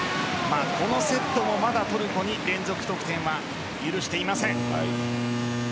このセットもまだトルコに連続得点は許していません。